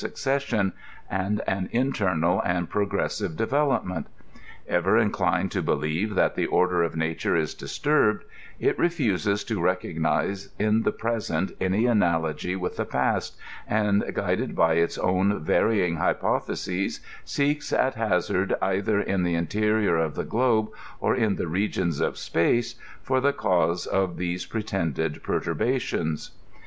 succession, and an internal and progressive development. Ever inclined to believe that the order of nature is disturbed, it refuses to rec ognize in the present any analogy with the past, and, guided by its own varying hypotheses, seeks at hazard, either in the interior of the globe or in the regions of space, for the cause of these pretended perturbations.